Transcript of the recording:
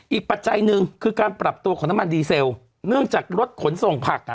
ปัจจัยหนึ่งคือการปรับตัวของน้ำมันดีเซลเนื่องจากรถขนส่งผักอ่ะ